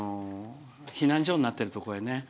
避難所になっているところへ。